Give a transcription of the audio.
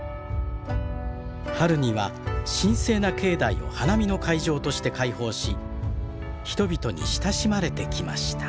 春には神聖な境内を花見の会場として開放し人々に親しまれてきました。